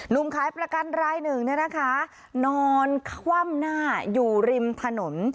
ุ่มขายประกันรายหนึ่งเนี่ยนะคะนอนคว่ำหน้าอยู่ริมถนน